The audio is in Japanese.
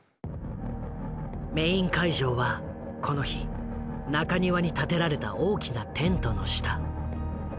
メイン会場はこの日中庭に立てられた大きなテントの下。